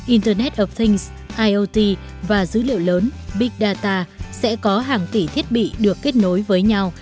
iot và dữ liệu lớn big data sẽ có hàng tỷ thiết bị được kết nối với nhau